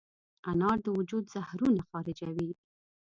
انار د وجود زهرونه خارجوي.